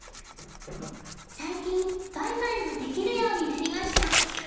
最近、バイバイができるようになりました。